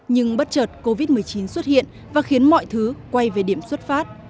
nhưng bất chợt covid một mươi chín xuất hiện và khiến mọi thứ quay về điểm xuất phát